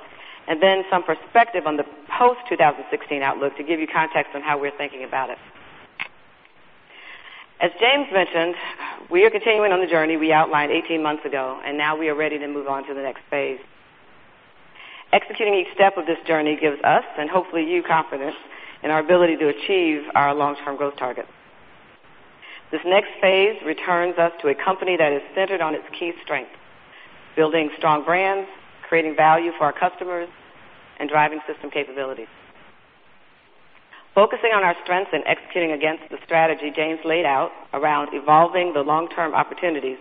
and some perspective on the post-2016 outlook to give you context on how we're thinking about it. As James mentioned, we are continuing on the journey we outlined 18 months ago. Now we are ready to move on to the next phase. Executing each step of this journey gives us, hopefully you, confidence in our ability to achieve our long-term growth targets. This next phase returns us to a company that is centered on its key strengths, building strong brands, creating value for our customers, and driving system capabilities. Focusing on our strengths and executing against the strategy James laid out around evolving the long-term opportunities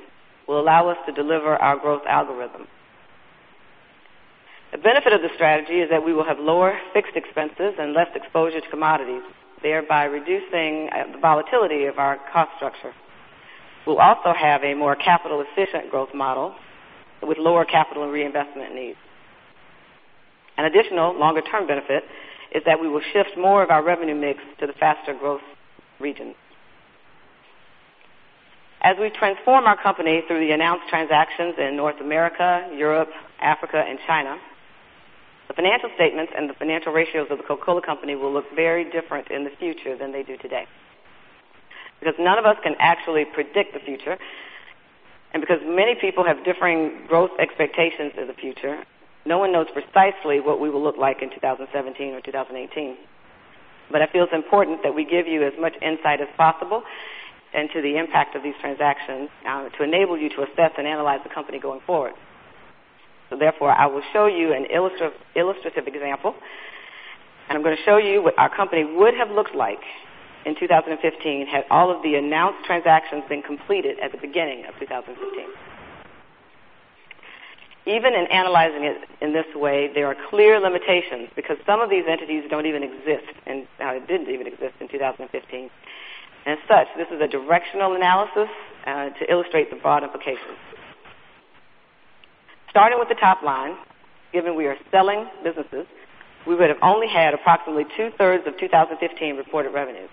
will allow us to deliver our growth algorithm. The benefit of the strategy is that we will have lower fixed expenses and less exposure to commodities, thereby reducing the volatility of our cost structure. We'll also have a more capital-efficient growth model with lower capital and reinvestment needs. An additional longer-term benefit is that we will shift more of our revenue mix to the faster growth regions. As we transform our company through the announced transactions in North America, Europe, Africa, and China, the financial statements and the financial ratios of The Coca-Cola Company will look very different in the future than they do today. None of us can actually predict the future. Many people have differing growth expectations of the future. No one knows precisely what we will look like in 2017 or 2018. I feel it's important that we give you as much insight as possible into the impact of these transactions to enable you to assess and analyze the company going forward. Therefore, I will show you an illustrative example. I'm going to show you what our company would have looked like in 2015 had all of the announced transactions been completed at the beginning of 2015. Even in analyzing it in this way, there are clear limitations because some of these entities don't even exist and didn't even exist in 2015. As such, this is a directional analysis to illustrate the broad implications. Starting with the top line, given we are selling businesses, we would have only had approximately two-thirds of 2015 reported revenues.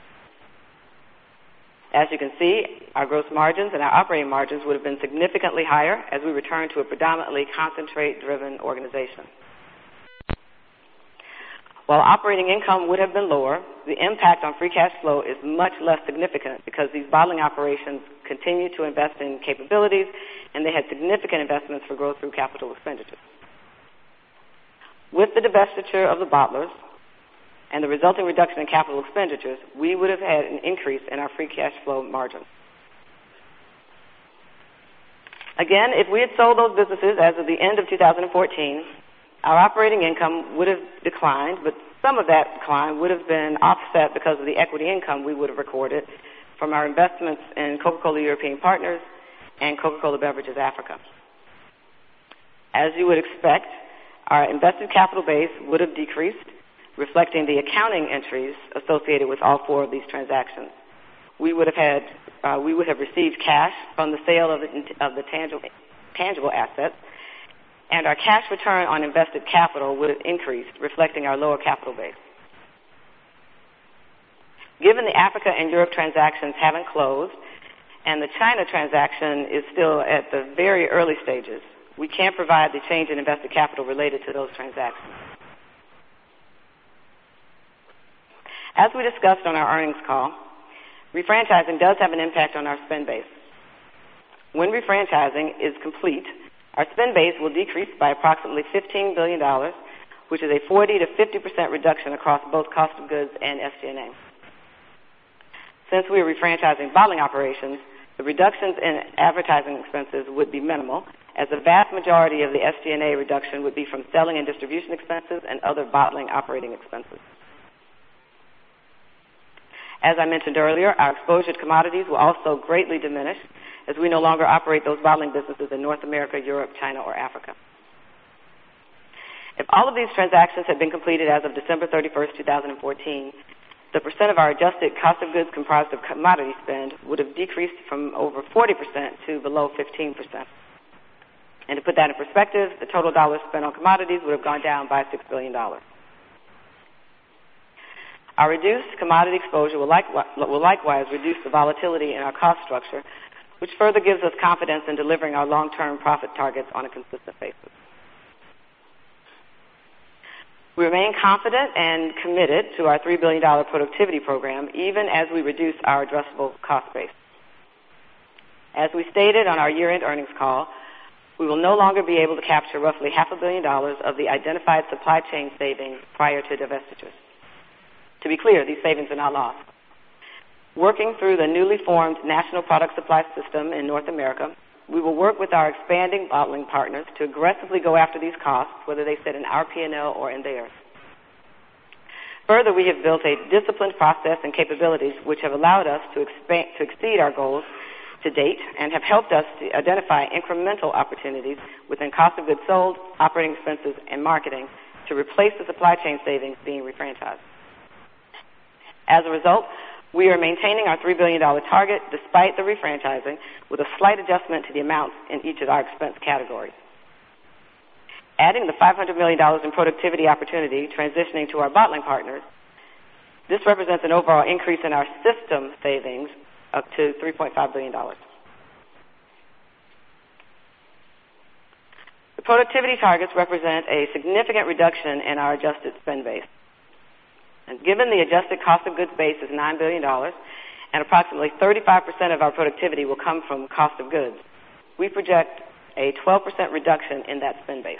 As you can see, our gross margins and our operating margins would have been significantly higher as we return to a predominantly concentrate-driven organization. While operating income would have been lower, the impact on free cash flow is much less significant because these bottling operations continue to invest in capabilities. They had significant investments for growth through capital expenditures. With the divestiture of the bottlers and the resulting reduction in capital expenditures, we would have had an increase in our free cash flow margins. If we had sold those businesses as of the end of 2014, our operating income would have declined, but some of that decline would have been offset because of the equity income we would have recorded from our investments in Coca-Cola European Partners and Coca-Cola Beverages Africa. As you would expect, our invested capital base would have decreased, reflecting the accounting entries associated with all four of these transactions. We would have received cash from the sale of the tangible assets, and our cash return on invested capital would have increased, reflecting our lower capital base. Given the Africa and Europe transactions haven't closed and the China transaction is still at the very early stages, we can't provide the change in invested capital related to those transactions. As we discussed on our earnings call, refranchising does have an impact on our spend base. When refranchising is complete, our spend base will decrease by approximately $15 billion, which is a 40%-50% reduction across both cost of goods and SG&A. Since we are refranchising bottling operations, the reductions in advertising expenses would be minimal as the vast majority of the SG&A reduction would be from selling and distribution expenses and other bottling operating expenses. As I mentioned earlier, our exposure to commodities will also greatly diminish as we no longer operate those bottling businesses in North America, Europe, China, or Africa. If all of these transactions had been completed as of December 31st, 2014, the percent of our adjusted cost of goods comprised of commodity spend would have decreased from over 40% to below 15%. To put that in perspective, the total dollars spent on commodities would have gone down by $6 billion. Our reduced commodity exposure will likewise reduce the volatility in our cost structure, which further gives us confidence in delivering our long-term profit targets on a consistent basis. We remain confident and committed to our $3 billion productivity program, even as we reduce our addressable cost base. As we stated on our year-end earnings call, we will no longer be able to capture roughly half a billion dollars of the identified supply chain savings prior to divestiture. To be clear, these savings are not lost. Working through the newly formed national product supply system in North America, we will work with our expanding bottling partners to aggressively go after these costs, whether they sit in our P&L or in theirs. We have built a disciplined process and capabilities which have allowed us to exceed our goals to date and have helped us to identify incremental opportunities within cost of goods sold, operating expenses, and marketing to replace the supply chain savings being refranchised. As a result, we are maintaining our $3 billion target despite the refranchising, with a slight adjustment to the amounts in each of our expense categories. Adding the $500 million in productivity opportunity transitioning to our bottling partners, this represents an overall increase in our system savings up to $3.5 billion. The productivity targets represent a significant reduction in our adjusted spend base. Given the adjusted cost of goods base is $9 billion and approximately 35% of our productivity will come from cost of goods, we project a 12% reduction in that spend base.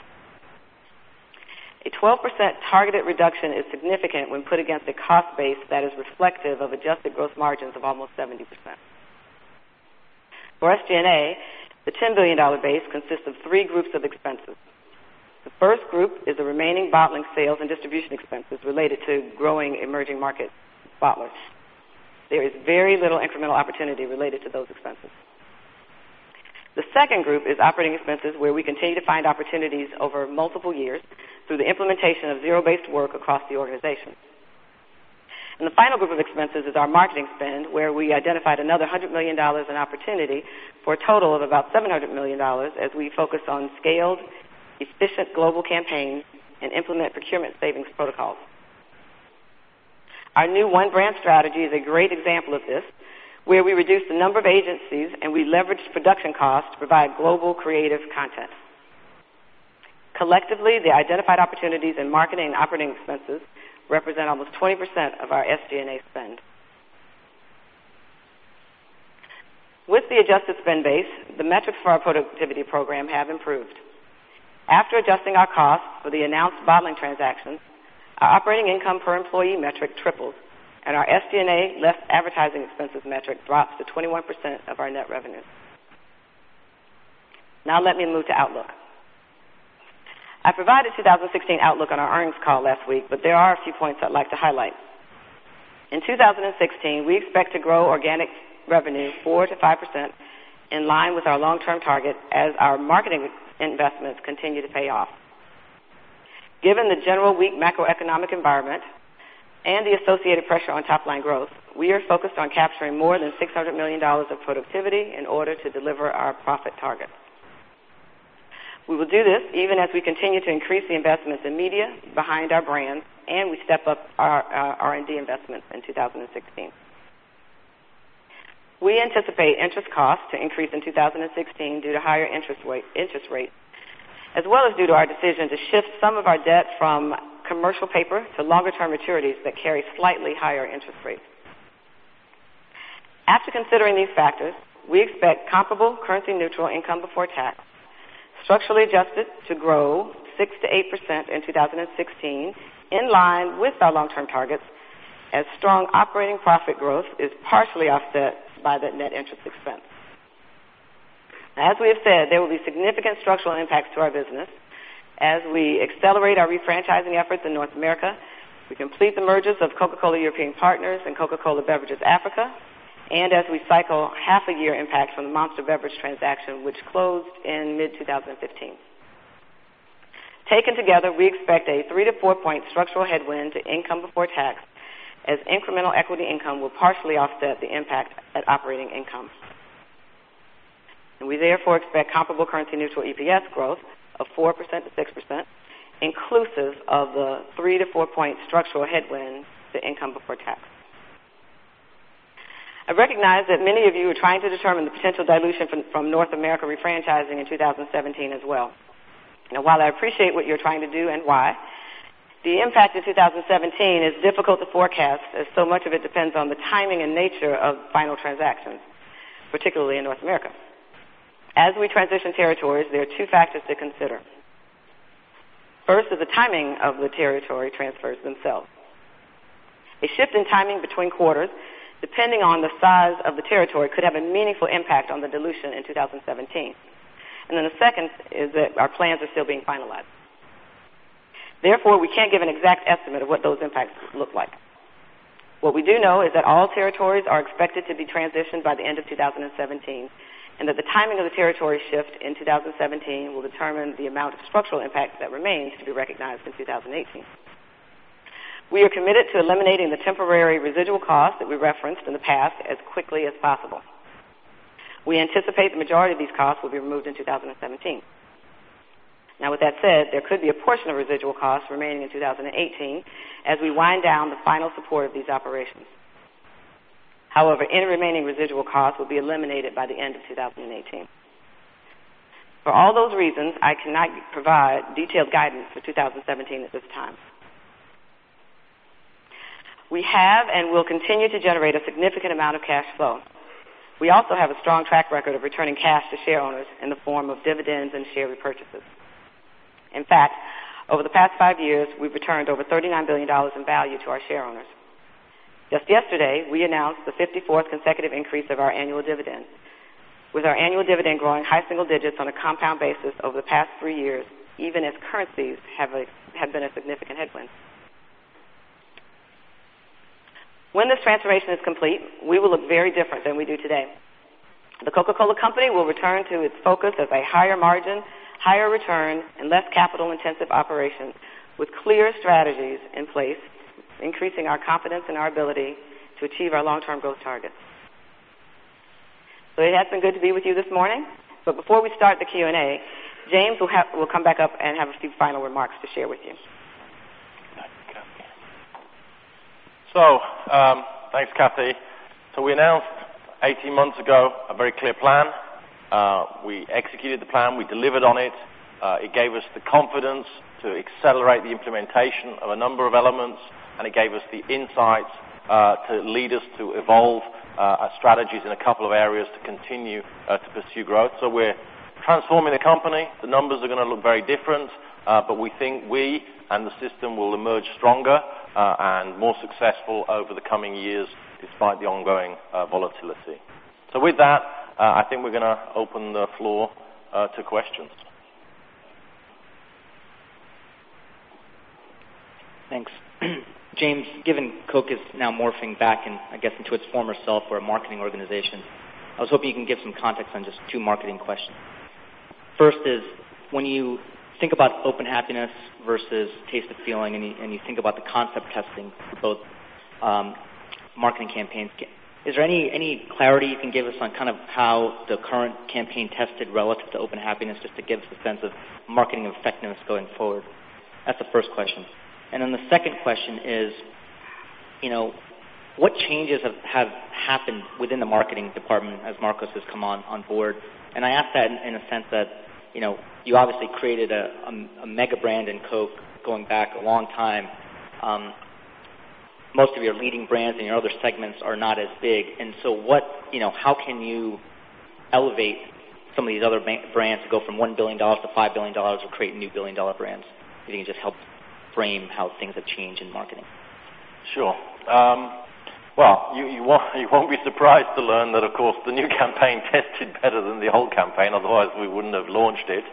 A 12% targeted reduction is significant when put against a cost base that is reflective of adjusted gross margins of almost 70%. For SG&A, the $10 billion base consists of three groups of expenses. The first group is the remaining bottling sales and distribution expenses related to growing emerging market bottlers. There is very little incremental opportunity related to those expenses. The second group is operating expenses, where we continue to find opportunities over multiple years through the implementation of zero-based work across the organization. The final group of expenses is our marketing spend, where we identified another $100 million in opportunity for a total of about $700 million as we focus on scaled, efficient global campaigns and implement procurement savings protocols. Our new One Brand strategy is a great example of this, where we reduced the number of agencies, and we leveraged production costs to provide global creative content. Collectively, the identified opportunities in marketing and operating expenses represent almost 20% of our SG&A spend. With the adjusted spend base, the metrics for our productivity program have improved. After adjusting our costs for the announced bottling transactions, our operating income per employee metric tripled, and our SG&A less advertising expenses metric dropped to 21% of our net revenues. Now let me move to outlook. I provided 2016 outlook on our earnings call last week, but there are a few points I'd like to highlight. In 2016, we expect to grow organic revenue 4%-5%, in line with our long-term target as our marketing investments continue to pay off. Given the general weak macroeconomic environment and the associated pressure on top-line growth, we are focused on capturing more than $600 million of productivity in order to deliver our profit targets. We will do this even as we continue to increase the investments in media behind our brands, and we step up our R&D investments in 2016. We anticipate interest costs to increase in 2016 due to higher interest rates, as well as due to our decision to shift some of our debt from commercial paper to longer-term maturities that carry slightly higher interest rates. After considering these factors, we expect comparable currency-neutral income before tax, structurally adjusted to grow 6%-8% in 2016, in line with our long-term targets, as strong operating profit growth is partially offset by the net interest expense. As we have said, there will be significant structural impacts to our business as we accelerate our refranchising efforts in North America. We complete the mergers of Coca-Cola European Partners and Coca-Cola Beverages Africa, and as we cycle half a year impact from the Monster Beverage transaction, which closed in mid-2015. Taken together, we expect a three- to four-point structural headwind to income before tax, as incremental equity income will partially offset the impact at operating income. We, therefore, expect comparable currency-neutral EPS growth of 4%-6%, inclusive of the three- to four-point structural headwind to income before tax. I recognize that many of you are trying to determine the potential dilution from North America refranchising in 2017 as well. While I appreciate what you're trying to do and why, the impact of 2017 is difficult to forecast, as so much of it depends on the timing and nature of final transactions, particularly in North America. As we transition territories, there are two factors to consider. First is the timing of the territory transfers themselves. A shift in timing between quarters, depending on the size of the territory, could have a meaningful impact on the dilution in 2017. The second is that our plans are still being finalized. Therefore, we can't give an exact estimate of what those impacts look like. What we do know is that all territories are expected to be transitioned by the end of 2017, and that the timing of the territory shift in 2017 will determine the amount of structural impact that remains to be recognized in 2018. We are committed to eliminating the temporary residual costs that we referenced in the past as quickly as possible. We anticipate the majority of these costs will be removed in 2017. With that said, there could be a portion of residual costs remaining in 2018 as we wind down the final support of these operations. Any remaining residual costs will be eliminated by the end of 2018. For all those reasons, I cannot provide detailed guidance for 2017 at this time. We have and will continue to generate a significant amount of cash flow. We also have a strong track record of returning cash to shareowners in the form of dividends and share repurchases. In fact, over the past five years, we've returned over $39 billion in value to our shareowners. Just yesterday, we announced the 54th consecutive increase of our annual dividend. With our annual dividend growing high single digits on a compound basis over the past three years, even as currencies have been a significant headwind. When this transformation is complete, we will look very different than we do today. The Coca-Cola Company will return to its focus as a higher-margin, higher-return, and less capital-intensive operation with clear strategies in place, increasing our confidence in our ability to achieve our long-term growth targets. It has been good to be with you this morning. Before we start the Q&A, James will come back up and have a few final remarks to share with you. Thanks, Kathy. We announced 18 months ago a very clear plan. We executed the plan, we delivered on it. It gave us the confidence to accelerate the implementation of a number of elements, and it gave us the insights to lead us to evolve our strategies in a couple of areas to continue to pursue growth. We're transforming the company. The numbers are going to look very different. We think we and the system will emerge stronger, and more successful over the coming years despite the ongoing volatility. With that, I think we're going to open the floor to questions. Thanks. James, given Coke is now morphing back in, I guess, into its former self or a marketing organization, I was hoping you can give some context on just two marketing questions. First, when you think about Open Happiness versus Taste the Feeling, and you think about the concept testing for both marketing campaigns, is there any clarity you can give us on how the current campaign tested relative to Open Happiness, just to give us a sense of marketing effectiveness going forward? That's the first question. The second question is, what changes have happened within the marketing department as Marcos has come on board? I ask that in a sense that, you obviously created a mega brand in Coke going back a long time. Most of your leading brands in your other segments are not as big. How can you elevate some of these other brands to go from $1 billion-$5 billion or create new billion-dollar brands? Can you just help frame how things have changed in marketing? Sure. Well, you won't be surprised to learn that, of course, the new campaign tested better than the old campaign. Otherwise, we wouldn't have launched it.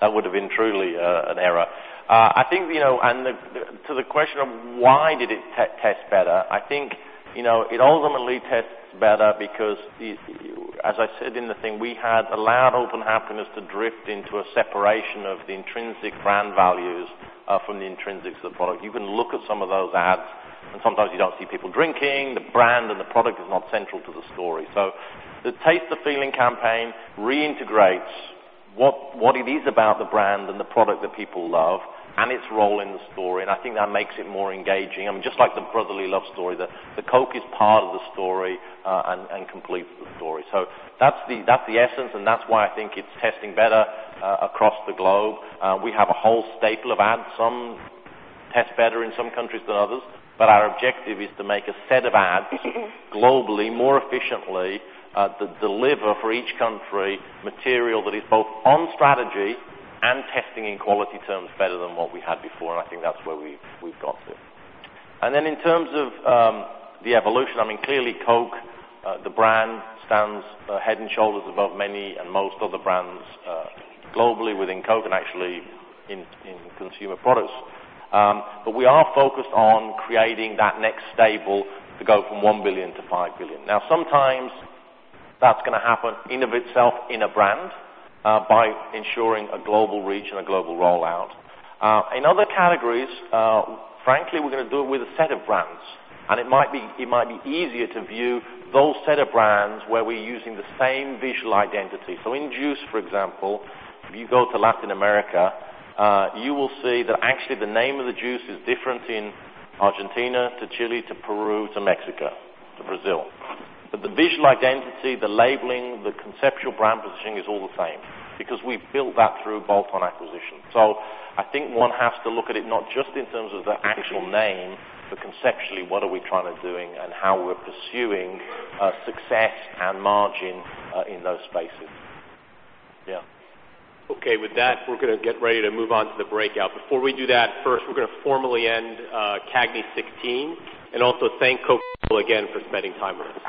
That would have been truly an error. To the question of why did it test better, I think it ultimately tests better because, as I said in the thing, we had allowed Open Happiness to drift into a separation of the intrinsic brand values from the intrinsics of the product. You can look at some of those ads, and sometimes you don't see people drinking. The brand and the product is not central to the story. The Taste the Feeling campaign reintegrates what it is about the brand and the product that people love and its role in the story, I think that makes it more engaging. Just like the Brotherly Love story, the Coke is part of the story and completes the story. That's the essence, that's why I think it's testing better across the globe. We have a whole staple of ads. Some test better in some countries than others, our objective is to make a set of ads globally, more efficiently, that deliver for each country material that is both on strategy and testing in quality terms better than what we had before, I think that's where we've got to. In terms of the evolution, clearly Coke, the brand, stands head and shoulders above many and most other brands globally within Coke and actually in consumer products. We are focused on creating that next stable to go from $1 billion-$5 billion. Sometimes that's going to happen in of itself in a brand by ensuring a global reach and a global rollout. In other categories, frankly, we're going to do it with a set of brands, and it might be easier to view those set of brands where we're using the same visual identity. In juice, for example, if you go to Latin America, you will see that actually the name of the juice is different in Argentina to Chile to Peru to Mexico to Brazil. The visual identity, the labeling, the conceptual brand positioning is all the same because we've built that through bolt-on acquisition. I think one has to look at it not just in terms of the actual name, but conceptually, what are we trying and doing and how we're pursuing success and margin in those spaces. Yeah. Okay. With that, we're going to get ready to move on to the breakout. Before we do that, first, we're going to formally end CAGNY 2016 and also thank again for spending time with us.